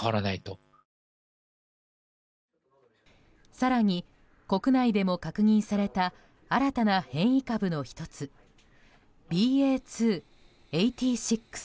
更に国内でも確認された新たな変異株の１つＢＡ．２．８６